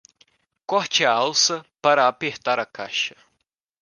Corte a alça para apertar a caixa.